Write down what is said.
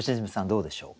どうでしょうか？